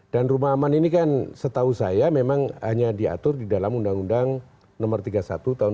dan rumah aman ini kan setahu saya memang hanya diatur di dalam undang undang no tiga puluh satu tahun dua ribu empat belas